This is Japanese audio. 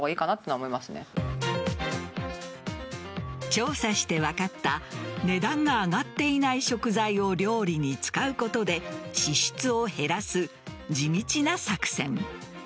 調査して分かった値段が上がっていない食材を料理に使うことで支出を減らす地道な作戦。